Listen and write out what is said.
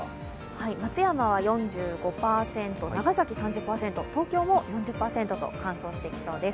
松山は４５％、長崎は３０％、東京も４０％と乾燥してきそうです。